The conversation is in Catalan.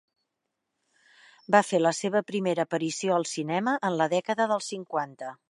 Va fer la seva primera aparició al cinema en la dècada dels cinquanta.